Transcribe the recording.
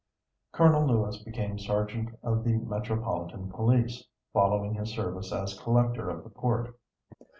Col. Lewis became Sergeant of the Metropolitan Police, following his service as Collector of the Port.